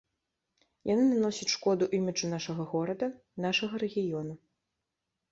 Яны наносяць шкоду іміджу нашага горада, нашага рэгіёну.